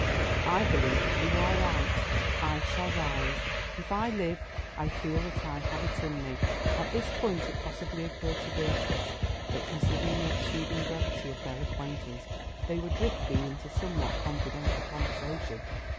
I believe that you are right. I shall rise. If I live I feel that I have it in me." At this point it possibly occurred to Beatrice that, considering the exceeding brevity of their acquaintance, they were drifting into somewhat confidential conversation.